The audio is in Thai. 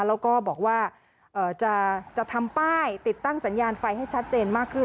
แล้วก็บอกว่าจะทำป้ายติดตั้งสัญญาณไฟให้ชัดเจนมากขึ้น